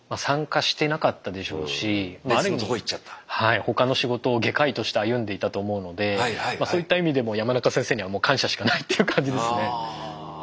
他の仕事を外科医として歩んでいたと思うのでそういった意味でも山中先生にはもう感謝しかないっていう感じですね。